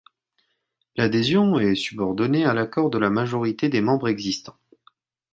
L'adhésion est subordonnée à l'accord de la majorité des membres existants.